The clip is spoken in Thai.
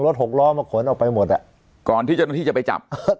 หกล้อมาขนออกไปหมดอ่ะก่อนที่เจ้าหน้าที่จะไปจับ